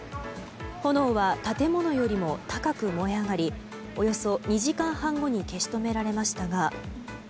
炎は建物よりも高く燃え上がりおよそ２時間半後に消し止められましたが。